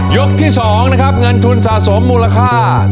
เยี่ยมค่ะ